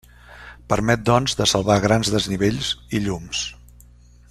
Permet doncs de salvar grans desnivells i llums.